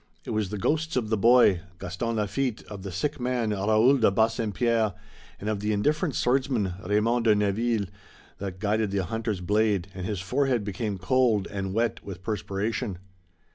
It was the ghosts of the boy, Gaston Lafitte, of the sick man Raoul de Bassempierre and of the indifferent swordsman, Raymond de Neville, that guided the hunter's blade, and his forehead became cold and wet with perspiration.